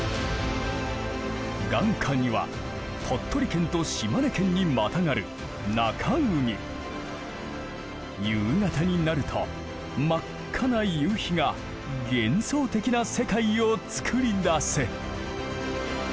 眼下には鳥取県と島根県にまたがる夕方になると真っ赤な夕日が幻想的な世界をつくりだす。